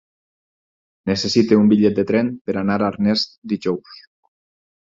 Necessito un bitllet de tren per anar a Arnes dijous.